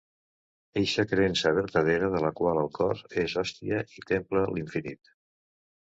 Eixa creença vertadera de la qual el cor és hòstia i temple l'infinit.